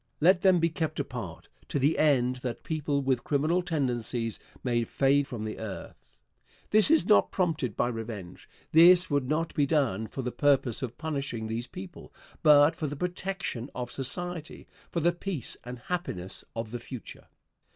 Let them be kept apart, to the end that people with criminal tendencies may fade from the earth. This is not prompted by revenge. This would not be done for the purpose of punishing these people, but for the protection of society for the peace and happiness of the future.